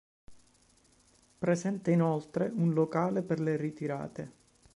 Presente inoltre un locale per le ritirate.